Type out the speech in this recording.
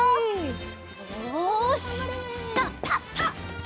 よしたったったったっ！